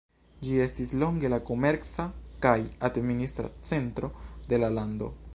Ĝi estis longe la komerca kaj administra centro de la lando.